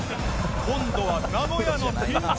今度は名古屋のピンチ